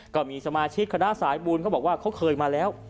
ก็มีสมาชิกคณะสายบูลเขาบอกว่าเขาเคยมาแล้ว